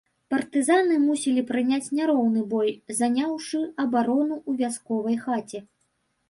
Партызаны мусілі прыняць няроўны бой, заняўшы абарону ў вясковай хаце.